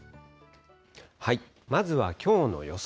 まずはきょうの予想